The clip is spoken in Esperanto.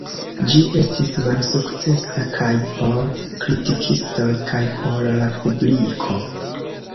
Ĝi estis malsukcesa kaj por kritikistoj kaj por la publiko.